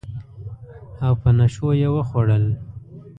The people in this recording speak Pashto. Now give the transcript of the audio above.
او په نشو یې وخوړل